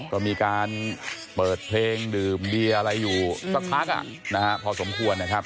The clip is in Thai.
ก็มีการเปิดเพลงดื่มเบียร์อะไรอยู่สักพักพอสมควรนะครับ